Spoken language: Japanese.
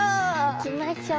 行きましょう。